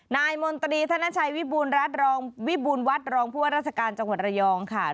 นายมนตรีธนชัยวิบูรณ์วัดรองค์ผู้ว่ารักษาการจังหวัดระยองค่ะ